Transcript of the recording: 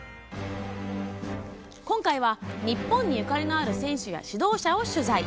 今回は日本にゆかりのある選手や指導者を取材。